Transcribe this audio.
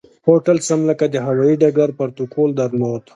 هوټل سم لکه د هوایي ډګر پروتوکول درلود.